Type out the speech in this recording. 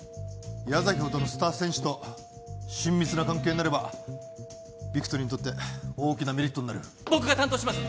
矢崎ほどのスター選手と親密な関係になればビクトリーにとって大きなメリットになる僕が担当します